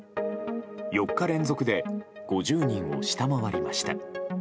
４日連続で５０人を下回りました。